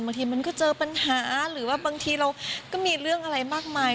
บางทีมันก็เจอปัญหาหรือว่าบางทีเราก็มีเรื่องอะไรมากมาย